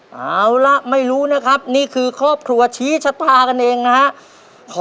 เอาล่ะไม่รู้นะครับนี่คือครอบครัวชี้ชะตากันเองนะครับ